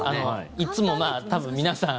いつも多分皆さん